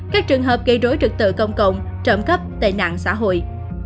các trường hợp gây rối trực tự công cộng trợ cấp tệ nạn xã hội